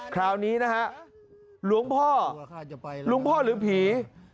คราวนี้นะครับหลวงพ่อหรือผี